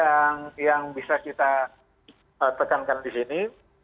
yang bisa kita tekankan di sini